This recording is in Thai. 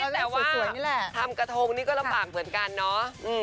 แต่ว่าทำกระทงนี่ก็ลำบากเหมือนกันเนอะ